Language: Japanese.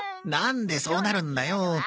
なんでそうなるんだよ。